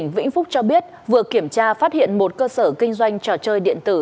tỉnh vĩnh phúc cho biết vừa kiểm tra phát hiện một cơ sở kinh doanh trò chơi điện tử